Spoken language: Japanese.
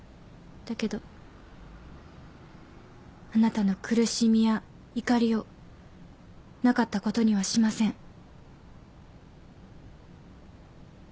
だけどあなたの苦しみや怒りをなかったことにはしません。